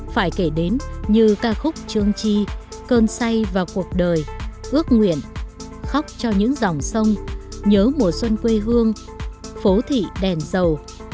phải kể đến như ca khúc trương chi cơn say vào cuộc đời ước nguyện khóc cho những dòng sông nhớ mùa xuân quê hương phố thị đèn dầu